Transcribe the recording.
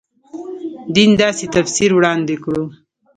دین داسې تفسیر وړاندې کړو.